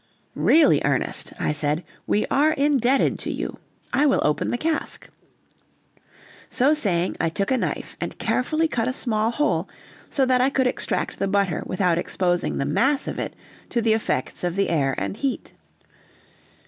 "Really, Ernest," I said, "we are indebted to you. I will open the cask." So saying, I took a knife and carefully cut a small hole, so that I could extract the butter without exposing the mass of it to the effects of the air and heat.